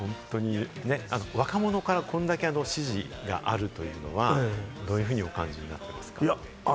若者からこれだけ支持があるというのはどういうふうにお感じになっていますか？